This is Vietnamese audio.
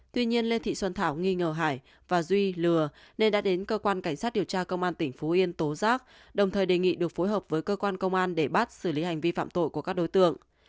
tuy nhiên lê thị xuân thảo nghi ngờ hải và duy lừa nên đã đến cơ quan cảnh sát điều tra công an tỉnh phú yên tố giác đồng thời đề nghị được phối hợp với cơ quan công an để bắt xử lý hành vi phạm tội của các đối tượng